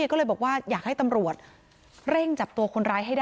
คิดว่าการทำแบบนี้มันโหดไหม